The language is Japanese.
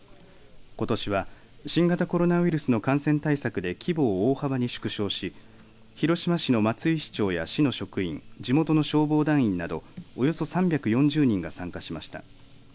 ことしは新型コロナウイルスの感染対策で規模を大幅に縮小し広島市の松井市長や市の職員地元の消防団員などおよそ３４０人が参加しました。